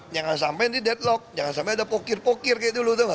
jangan sampai ini deadlock jangan sampai ada pokir pokir kayak dulu tuh mas